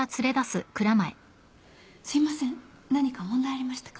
すいません何か問題ありましたか？